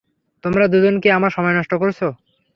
তোমরা দুজন কি আমার সময় নষ্ট করছ?